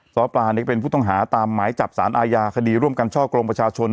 ซ้อปลานี่เป็นผู้ต้องหาตามหมายจับสารอาญาคดีร่วมกันช่อกลงประชาชน